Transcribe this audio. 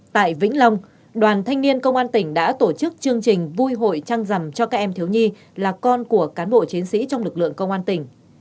tại vĩnh long đoàn thanh niên công an tỉnh đã tổ chức chương trình vui hội trăng rằm cho các em thiếu nhi là con của cán bộ chiến sĩ trong lực lượng công an tỉnh